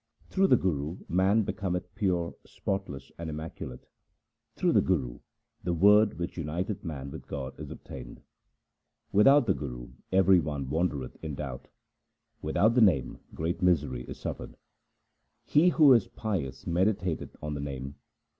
Through the Guru man becometh pure, spotless, and immaculate. Through the Guru the Word which uniteth man with God is obtained. Without the Guru every one wandereth in doubt. Without the Name great misery is suffered. He who is pious meditateth on the Name.